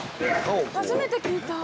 初めて聞いた。